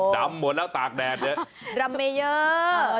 ดรามเมเยอร์